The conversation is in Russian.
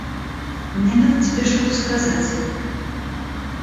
Мне надо тебе что-то сказать.